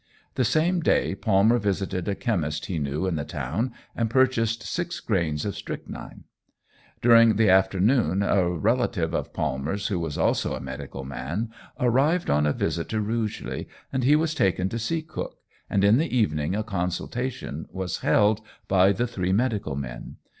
The same day Palmer visited a chemist he knew in the town, and purchased six grains of strychnine. During the afternoon a relative of Palmer's, who was also a medical man, arrived on a visit to Rugeley, and he was taken to see Cook, and in the evening a consultation was held by the three medical men.